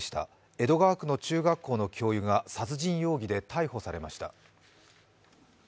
江戸川区の中学校の教諭がさつじ容疑で逮捕されました。